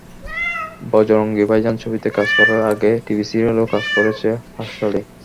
বজরঙ্গী ভাইজান ছবিতে কাজ করার আগে টিভি সিরিয়ালেও কাজ করেছে হার্শালি।